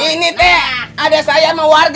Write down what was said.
ini teh ada saya sama warga